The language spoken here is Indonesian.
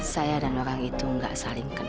saya dan orang itu nggak saling kenal